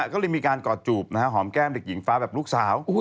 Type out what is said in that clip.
ก็เลยมีการกอดจูบหอมแก้มเด็กหญิงฟ้าแบบลูกสาว